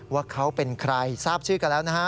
ว่าเขาเป็นใครทราบชื่อกันแล้วนะฮะ